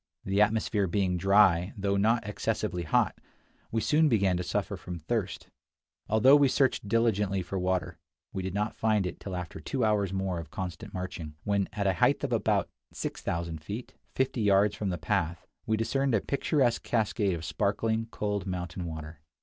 The atmosphere being dry, though not excessively hot, we soon began to suffer from thirst. Although we searched diligently for water, we did not find it till after two hours more of constant marching, when at a height of about 6000 feet, fifty yards from the path, we discerned a picturesque cascade of sparkling, cold mountain water.